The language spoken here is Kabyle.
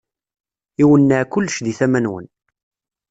Iwenneɛ kullec di tama-nwen.